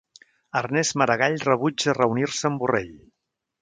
Ernest Maragall rebutja reunir-se amb Borrell